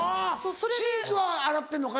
シーツは洗ってんのか？